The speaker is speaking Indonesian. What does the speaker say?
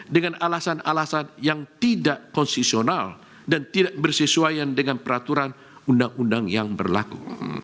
dengan alasan alasan yang tidak konstitusional dan tidak bersesuaian dengan peraturan undang undang yang berlaku